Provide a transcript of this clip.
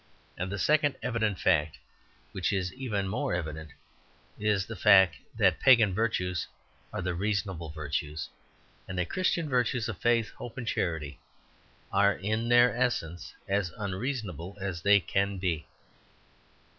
And the second evident fact, which is even more evident, is the fact that the pagan virtues are the reasonable virtues, and that the Christian virtues of faith, hope, and charity are in their essence as unreasonable as they can be.